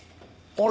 あれ？